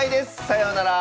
さようなら。